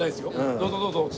「どうぞどうぞ」